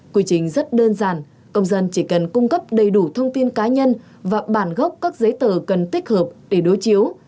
quy trình rất đơn giản công dân chỉ cần cung cấp đầy đủ thông tin cá nhân và bản gốc các giấy tờ cần tích hợp để đối chiếu